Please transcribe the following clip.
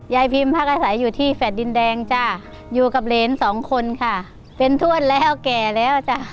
ยายพิมพักอาศัยอยู่ที่แฟลต์ดินแดงจ้ะอยู่กับเหรนสองคนค่ะเป็นถ้วนแล้วแก่แล้วจ้ะ